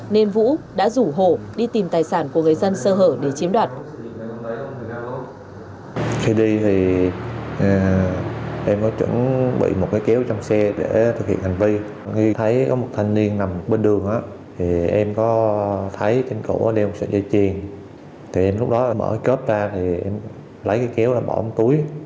nên vũ đã rủ hổ đi tìm tài sản của người dân sơ hở để chiếm đoạt